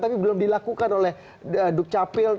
tapi belum dilakukan oleh duk capil